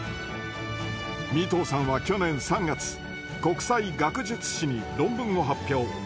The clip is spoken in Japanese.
三藤さんは去年３月国際学術誌に論文を発表。